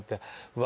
うわ